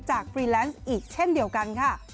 ฟรีแลนซ์อีกเช่นเดียวกันค่ะ